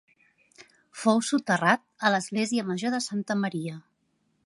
Fou soterrat a l'església Major de Santa Maria.